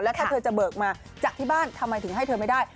ถ้าเธอจะเบิกมาจากที่บ้านทำไมถึงให้เธอไม่ได้